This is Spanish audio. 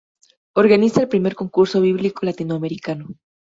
Organiza el primer concurso bíblico latinoamericano.